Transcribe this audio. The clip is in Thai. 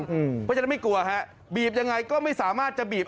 เพราะฉะนั้นไม่กลัวฮะบีบยังไงก็ไม่สามารถจะบีบ